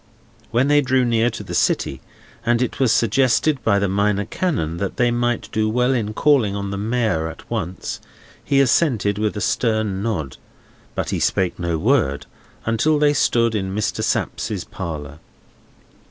When they drew near to the city, and it was suggested by the Minor Canon that they might do well in calling on the Mayor at once, he assented with a stern nod; but he spake no word until they stood in Mr. Sapsea's parlour.